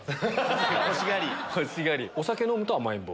お酒飲むと甘えん坊？